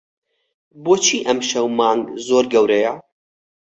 بۆچی ئەمشەو مانگ زۆر گەورەیە؟